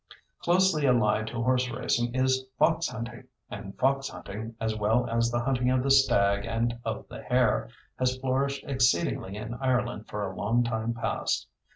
Closely allied to horse racing is fox hunting, and fox hunting, as well as the hunting of the stag and of the hare, has flourished exceedingly in Ireland for a long time past.